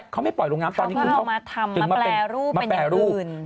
เขาพยายามชอบมาทำมาแปรรูป